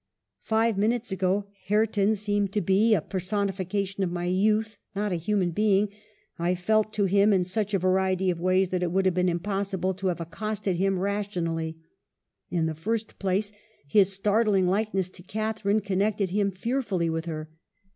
" Five minutes ago Hareton seemed to be a ' WUTHERING HEIGHTS: 275 personification of my youth, not a human being : I felt to him in such a variety of ways that it would have been impossible to have accosted him rationally. In the first place, his startling like ness to Catharine connected him fearfully with her.